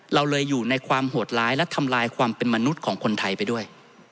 เราเลยอยู่ในความโหดร้ายและทำลายความเป็นมนุษย์ของคนไทยไปด้วย